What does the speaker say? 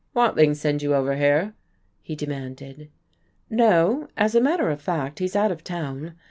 "Watling send you over here?" he demanded. "No. As a matter of fact, he's out of town.